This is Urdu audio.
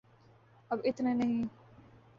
اب اتنے نہیں۔